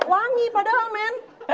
wangi padahal men